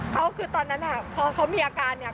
เขาคือตอนนั้นพอเขามีอาการเนี่ย